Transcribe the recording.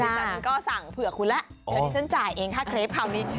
ฉันก็สั่งเผื่อคุณแล้วเดี๋ยวที่ฉันจ่ายเองค่าเครปคราวนี้